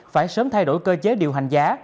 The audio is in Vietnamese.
phải sớm thay đổi cơ chế điều hành giá